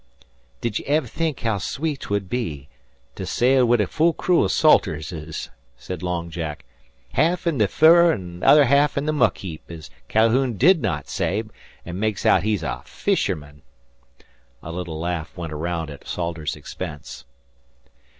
"Did ye ever think how sweet 'twould be to sail wid a full crew o' Salterses?" said Long Jack. "Ha'af in the furrer an' other ha'af in the muck heap, as Ca'houn did not say, an' makes out he's a fisherman!" A little laugh went round at Salters's expense.